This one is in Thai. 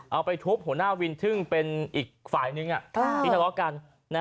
เอาไปทุบหัวหน้าวินซึ่งเป็นอีกฝ่ายนึงที่ทะเลาะกัน